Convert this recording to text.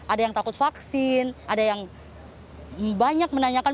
ada yang takut vaksin ada yang banyak menanyakan